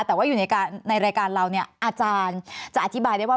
แต่ว่าอยู่ในรายการเราเนี่ยอาจารย์จะอธิบายได้ว่า